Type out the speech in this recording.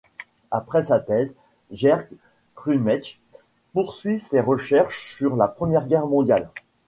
Après sa thèse, Gerd Krumeich poursuit ses recherches sur la Première Guerre mondiale.